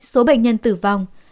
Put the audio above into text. số bệnh nhân tử vong